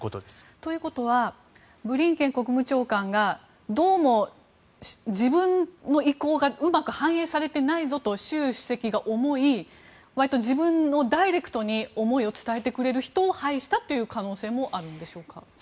ということはブリンケン国務長官がどうも自分の意向がうまく反映されていないぞと習主席が思いわりと自分のダイレクトに思いを伝えてくれる人を配したという可能性もあるんでしょうか？